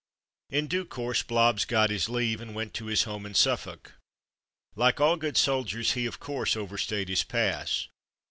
In due course Blobbs got his leave, and went to his home in Suffolk. Like all good soldiers he, of course, overstayed his pass.